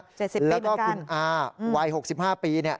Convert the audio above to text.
๗๐ปีเหมือนกันแล้วก็คุณอาวัย๖๕ปีนี่